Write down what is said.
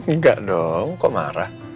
enggak dong kok marah